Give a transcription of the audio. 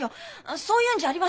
そういうんじゃありません。